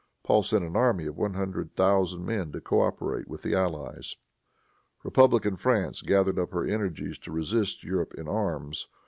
Paul sent an army of one hundred thousand men to coöperate with the allies. Republican France gathered up her energies to resist Europe in arms.